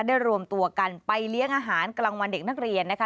รวมตัวกันไปเลี้ยงอาหารกลางวันเด็กนักเรียนนะคะ